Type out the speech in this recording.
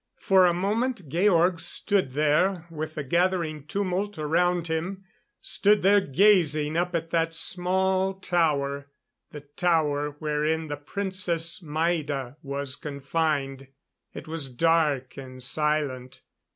For a moment Georg stood there, with the gathering tumult around him stood there gazing up at that small tower. The tower wherein the Princess Maida was confined. It was dark and silent.